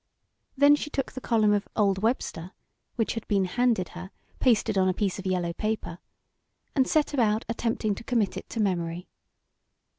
Then she took the column of "old Webster," which had been handed her pasted on a piece of yellow paper, and set about attempting to commit it to memory.